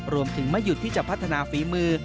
รวมถึงไม่หยุดที่จะพัฒนาฝีมือ